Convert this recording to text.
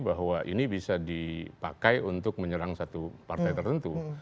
bahwa ini bisa dipakai untuk menyerang satu partai tertentu